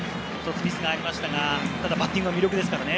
１つミスがありましたが、バッティングは魅力ですからね。